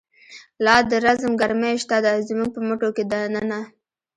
لا د رزم گرمی شته ده، زمونږ په مټو کی د ننه